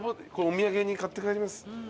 お土産に買って帰ります。